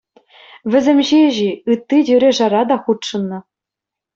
Вӗсем ҫеҫ-и, ытти тӳре-шара та хутшӑннӑ.